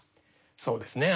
そうですね